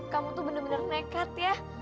kamu tuh bener bener nekat ya